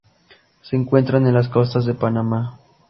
Se encuentra en las costas de Panamá.